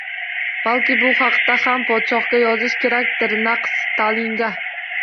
Balki, bu haqda ham podshohga yozish kerakdir, naq Stalinga…